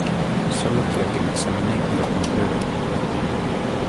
solo quiero que me examinen y lo comprueben.